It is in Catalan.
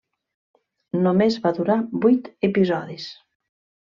Només va durar vuit episodis.